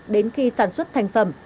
đến khi sản xuất thành phẩm